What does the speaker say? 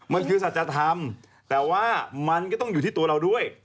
มันคือสัจธรรมแต่ว่ามันก็ต้องอยู่ที่ตัวเราด้วย